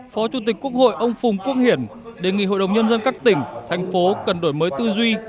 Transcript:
phó chủ tịch quốc hội ông phùng quốc hiển đề nghị hội đồng nhân dân các tỉnh thành phố cần đổi mới tư duy